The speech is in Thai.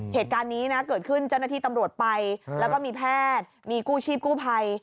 เหตุการณ์นี้นะเกิดขึ้นเจ้าหน้าที่ตำรวจไปแล้วก็มีแพทย์มีกู้ชีพกู้ภัย